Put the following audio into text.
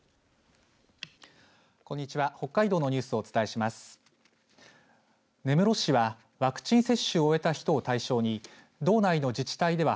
こんにちは。